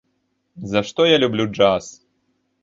За што я люблю джаз?